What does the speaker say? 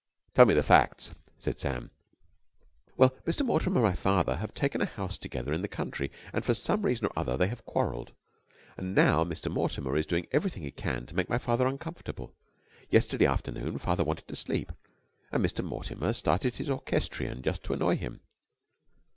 "Tell me the facts," said Sam. "Well, Mr. Mortimer and my father have taken a house together in the country, and for some reason or other they have quarrelled, and now Mr. Mortimer is doing everything he can to make father uncomfortable. Yesterday afternoon father wanted to sleep, and Mr. Mortimer started his orchestrion just to annoy him."